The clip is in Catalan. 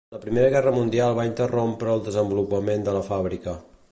La Primera Guerra Mundial va interrompre el desenvolupament de la fàbrica.